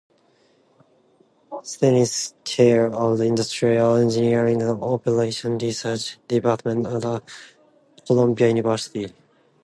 Stein is chair of the Industrial Engineering and Operations Research Department at Columbia University.